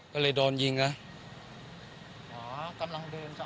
ก็เลยโดนยิงละ